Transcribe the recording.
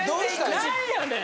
何やねん。